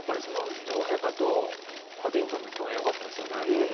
女王陛下とパディントンの共演よかったですよね。